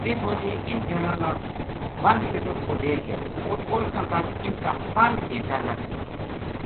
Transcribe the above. ویہ فوجی اِنھ جنا نا ون پِٹک پو لے گیا اُت پوہچتاں تک اِنھ کا پنج گھینٹا لگ گیا